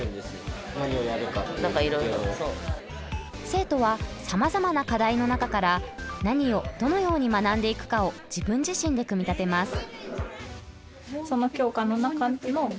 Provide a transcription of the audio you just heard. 生徒はさまざまな課題の中から何をどのように学んでいくかを自分自身で組み立てます。